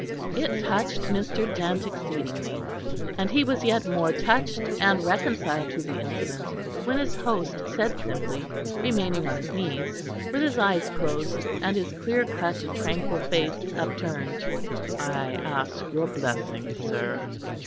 It touched Mr. Dent exceedingly, and he was yet more touched and reconciled to the incident when his host said simply, remaining on his knees, with eyes closed and his clear cut tranquil face upturned: "I ask your blessing, sir."